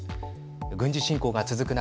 軍事侵攻が続く中